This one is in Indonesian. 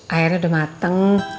airnya udah mateng